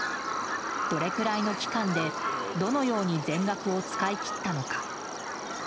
どれくらいの期間でどのように全額を使い切ったのか。